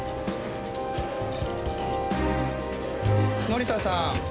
森田さん。